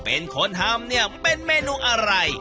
เป็นคนทำเนี่ยเป็นเมนูอะไร